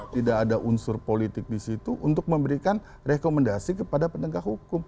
tidak ada unsur politik di situ untuk memberikan rekomendasi kepada penegak hukum